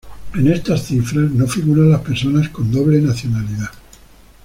En estas cifras no figuran las personas con doble nacionalidad.